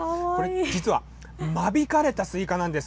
実は、間引かれたスイカなんです。